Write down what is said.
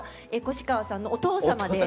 越川さんのお父様で。